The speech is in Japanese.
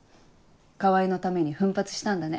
川合のために奮発したんだね。